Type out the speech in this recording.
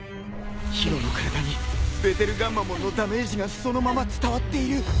宙の体にベテルガンマモンのダメージがそのまま伝わっている。